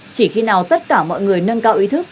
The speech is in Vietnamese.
chỉ khi nào tất cả mọi người nâng cao ý thức